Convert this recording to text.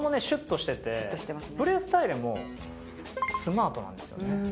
シュッとしててプレースタイルもスマートなんですよね。